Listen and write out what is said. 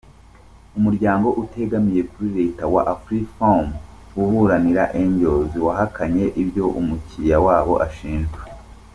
Umuryango utegamiye kuri Leta wa Afriforum uburanira Engels wahakanye ibyo umukiliya wabo ashinjwa.